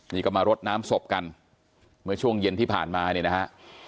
นี่ก็มารดน้ำศพกันเมื่อช่วงเย็นที่ผ่านมาเนี่ยนะฮะ